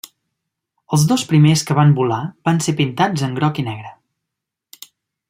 Els dos primers que van volar van ser pintats en groc i negre.